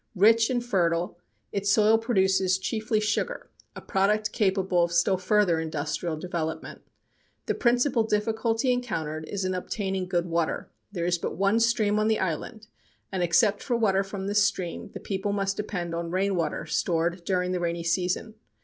Rich and fertile, its soil produces chiefly sugar, a product capable of still further industrial development. The principal difficulty encountered is in obtaining good water. There is but one stream on the island, and except for the water from this stream the people must depend on rain water stored during the rainy season.